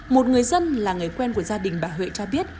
một người dân là người quen của gia đình bà huệ cho biết